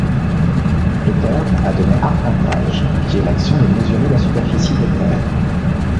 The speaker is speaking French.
Le terme a donné arpentage qui est l'action de mesurer la superficie des terres.